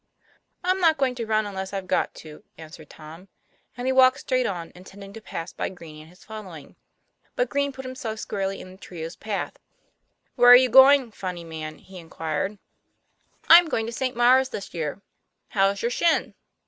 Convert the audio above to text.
"I'm not going to run, unless I've got to, " answered Tom; and he walked straight on, intending to pass by Green and his following. But Green put himself squarely in the trio's path. "Where are you going, funny man?" he inquired. 68 TOM PLAYFAIR. "I'm going to St. Maure's this year. How's your shin